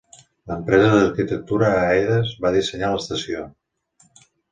L'empresa d'arquitectura Aedas va dissenyar l'estació.